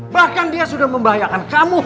bahkan dia sudah membahayakan kamu